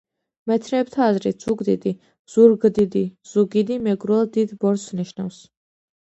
მეცნიერთა აზრით ზუგდიდი, ზურგდიდი, ზუგიდი – მეგრულად დიდ ბორცვს ნიშნავს.